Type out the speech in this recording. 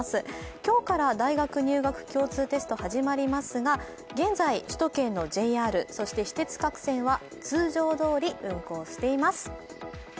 今日から大学入学共通テストが始まりますが現在、首都圏のＪＲ、そして私鉄各線は通常どおり運行しています。